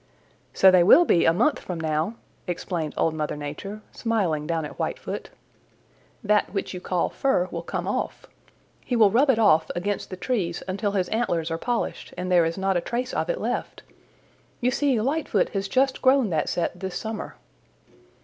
"So they will be a month from now," explained Old Mother Nature, smiling down at Whitefoot. "That which you call fur will come off. He will rub it off against the trees until his antlers are polished, and there is not a trace of it left. You see Lightfoot has just grown that set this summer."